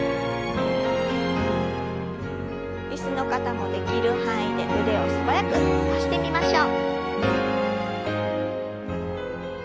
椅子の方もできる範囲で腕を素早く伸ばしてみましょう。